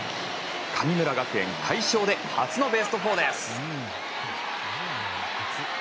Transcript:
神村学園快勝で初のベスト４です。